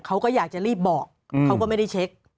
เขาก็อยากจะรีบบอกเขาก็ไม่ได้เช็ค